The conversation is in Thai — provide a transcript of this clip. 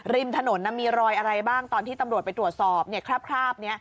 ริมถนนมีรอยอะไรบ้างตอนที่ตำรวจไปตรวจสอบคราบนี้